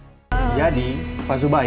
masih gak ada apa apa